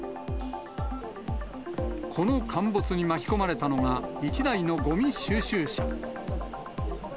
この陥没に巻き込まれたのが１台のごみ収集車。